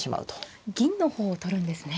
銀の方を取るんですね。